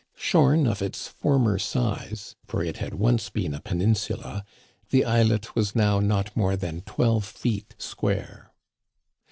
Shorn of its former size — ^for it had once been a penin sula — the islet was not now more than twelve feet square.